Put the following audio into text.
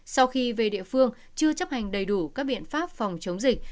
sau khi về địa phương chưa chấp hành đầy đủ các biện pháp phòng chống dịch